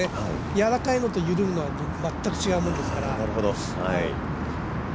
やわらかいのと緩むのは全く違うものですから。